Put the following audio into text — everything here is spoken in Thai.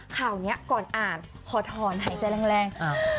ข่าวนี้ก่อนอ่านขอถอนหายใจแรง